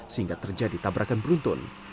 sehingga terjadi tabrakan beruntun